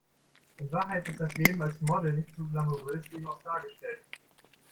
In Wahrheit ist das Leben als Model nicht so glamourös wie oft dargestellt.